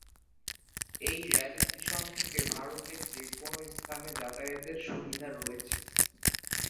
এই রেলস্টেশন থেকে ভারতের যে কোনো স্থানে যাতায়াতের সুবিধা রয়েছে।